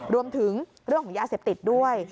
รวมถึงเรื่องของยาเสพติดด้วย